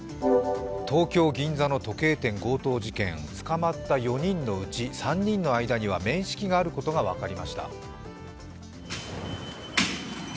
東京・銀座の時計店強盗事件捕まった４人のうち３人の間には面識があることが分かりました。